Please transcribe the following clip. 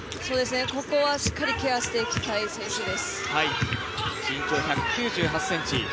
ここはしっかりケアしていきたい選手です。